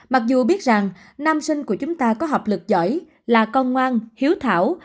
mặc dù biết rằng nam sinh của chúng ta có học lực giỏi là con ngoan hiếu thảo